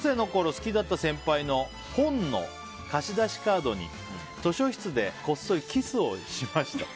好きだった先輩の本の貸し出しカードに図書室でこっそりキスをしました。